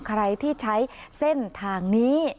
ใครที่ใช้เส้นทางนี้